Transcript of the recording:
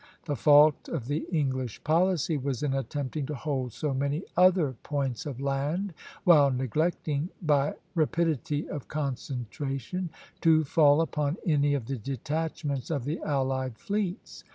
The fault of the English policy was in attempting to hold so many other points of land, while neglecting, by rapidity of concentration, to fall upon any of the detachments of the allied fleets.